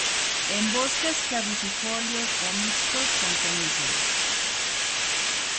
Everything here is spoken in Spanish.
En bosques caducifolios o mixtos con coníferas.